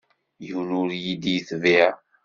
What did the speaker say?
Yiwen ur yi-d-yetbiε.